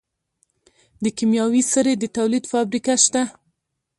د کیمیاوي سرې د تولید فابریکه شته.